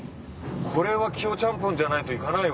これはキヨちゃんぽんじゃないと行かないわ。